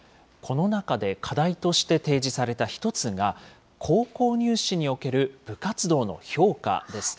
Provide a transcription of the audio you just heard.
この中で課題として提示された１つが、高校入試における部活動の評価です。